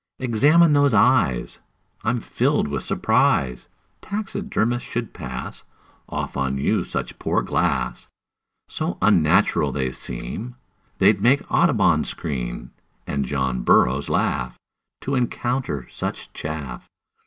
"Examine those eyes. I'm filled with surprise Taxidermists should pass Off on you such poor glass; So unnatural they seem They'd make Audubon scream, And John Burroughs laugh To encounter such chaff.